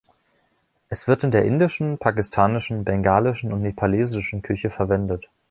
Es wird in der indischen, pakistanischen, bengalischen und nepalesischen Küche verwendet.